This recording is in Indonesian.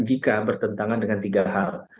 jika bertentangan dengan tiga hal